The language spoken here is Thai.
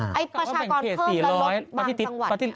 การแบ่งเขต๔๐๐แต่ลดบางสังวัติ